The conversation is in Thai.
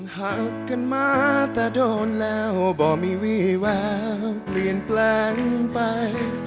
หักกันมาแต่โดนแล้วบ่มีวี่แววเปลี่ยนแปลงไป